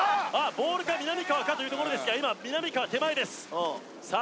ボールかみなみかわかというところですが今みなみかわ手前ですさあ